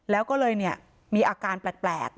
แล้วก็เลยมีอาการแปลก